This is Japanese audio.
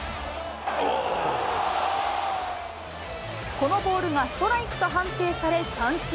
このボールがストライクと判定され三振。